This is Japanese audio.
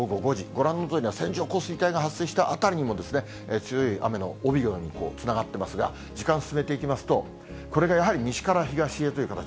ご覧のとおり、線状降水帯が発生した辺りにも、強い雨の帯のようにつながっていますが、時間進めていきますと、これがやはり西から東へという形。